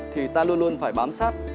thì ta luôn luôn phải bám sát